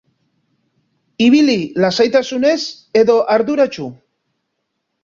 Ibili lasaitasunez edo arduratsu.